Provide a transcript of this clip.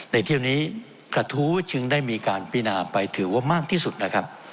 เที่ยวนี้กระทู้จึงได้มีการพินาไปถือว่ามากที่สุดนะครับ